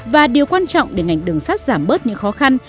và điều quan trọng để ngành đường sắt giảm bớt những khó khăn